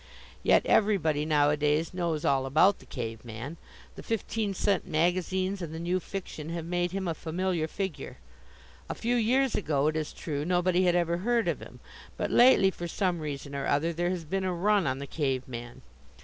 Yet everybody nowadays knows all about the cave man. The fifteen cent magazines and the new fiction have made him a familiar figure. A few years ago, it is true, nobody had ever heard of him. But lately, for some reason or other, there has been a run on the cave man.